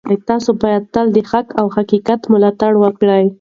تاسو باید تل د حق او حقیقت ملاتړ وکړئ.